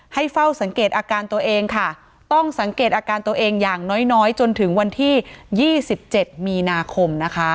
ให้เฝ้าสังเกตอาการตัวเองค่ะต้องสังเกตอาการตัวเองอย่างน้อยจนถึงวันที่๒๗มีนาคมนะคะ